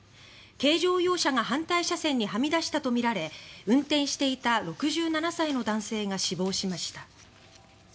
軽乗用車が反対車線にはみ出したとみられ運転していた６７歳の男性が死亡しました。